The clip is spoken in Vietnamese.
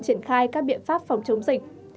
triển khai các biện pháp phòng chống dịch